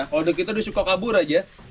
kalau kita udah suka kabur aja